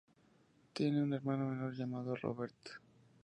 Tiene un hermano menor llamado Robert.